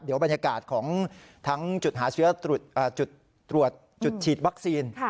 เดี๋ยวบรรยากาศของทั้งจุดหาเชื้อจุดตรวจจุดฉีดวัคซีน